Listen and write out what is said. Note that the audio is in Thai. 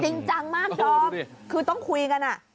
จริงจังมากคือต้องคุยกัน